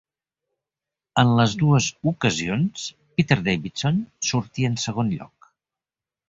En les dues ocasions, Peter Davison sortia en segon lloc.